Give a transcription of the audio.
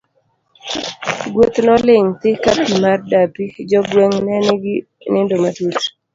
Gweng' noling' thi ka pi mar dapi, jogweng' ne nigi nindo matut.